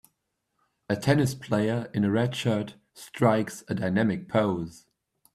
A tennis player in a red shirt strikes a dynamic pose.